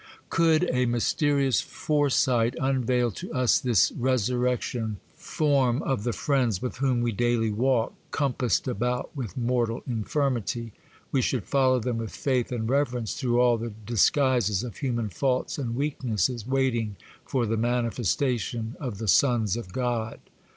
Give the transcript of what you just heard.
Could a mysterious foresight unveil to us this resurrection form of the friends with whom we daily walk, compassed about with mortal infirmity, we should follow them with faith and reverence through all the disguises of human faults and weaknesses, 'waiting for the manifestation of the sons of God.